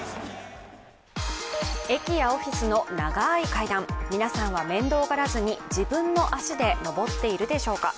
駅やオフィスの長い階段、皆さんは面倒がらずに自分の足で上っているでしょうか。